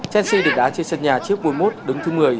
chelsea định đá trên sân nhà chiếc bốn một đứng thứ một mươi